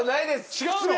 違うの？